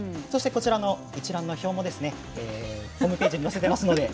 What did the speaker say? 一覧の表もホームページに載せています。